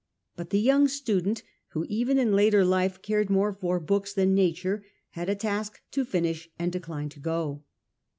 But the young student, who even in later life cared more for books than nature, had a task to finish and declined to go.